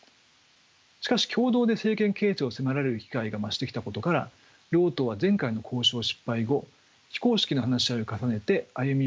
しかし共同で政権形成を迫られる機会が増してきたことから両党は前回の交渉失敗後非公式の話し合いを重ねて歩み寄りを模索してきました。